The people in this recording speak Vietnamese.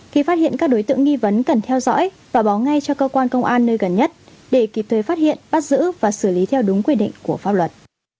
khi phát hiện các đối tượng nghi vấn cần theo dõi và báo ngay cho cơ quan công an nơi gần nhất để kịp thời phát hiện bắt giữ và xử lý theo đúng quy định của pháp luật